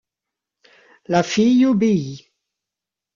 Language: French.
La fille obéit.